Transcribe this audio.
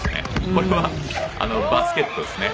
これはバスケットですね。